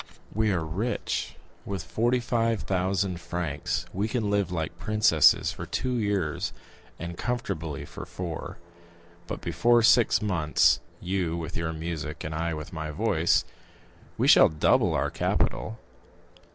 "We are rich. With forty five thousand francs we can live like princesses for two years, and comfortably for four; but before six months—you with your music, and I with my voice—we shall double our capital.